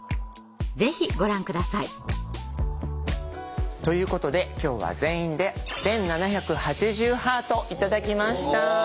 ぜひご覧下さい。ということで今日は全員で１７８０ハート頂きました。